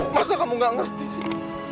masa kamu gak ngerti sih